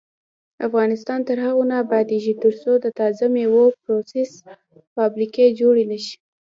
افغانستان تر هغو نه ابادیږي، ترڅو د تازه میوو پروسس فابریکې جوړې نشي.